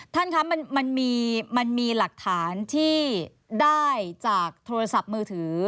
ท่านคะมันมีหลักฐานที่ได้จากโทรศัพท์มือถือ